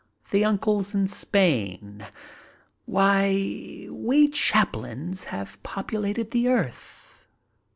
The uncles in Spain. Why, we Chaplins have populated the earth.